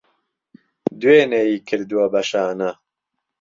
دوێنێی کردوە بە شانە